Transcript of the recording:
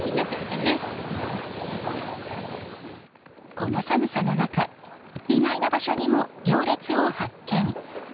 この寒さの中意外な場所にも行列を発見。